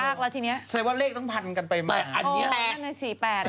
แสดงว่าเลขต้องพันกันไปมาแต่อันนี้โอ้แปด